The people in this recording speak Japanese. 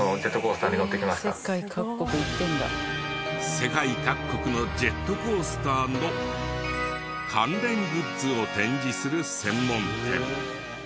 世界各国のジェットコースターの関連グッズを展示する専門店。